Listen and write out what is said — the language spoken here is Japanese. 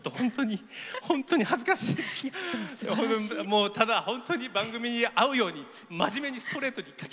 もうただ本当に番組に合うように真面目にストレートに書きました。